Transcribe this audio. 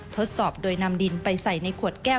ทดสอบโดยนำดินไปใส่ในขวดแก้ว